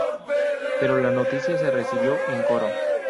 Pero la noticia se recibió en Coro.